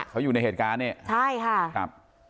เขาอยู่ในเหตุการณ์นี้ใช่ค่ะ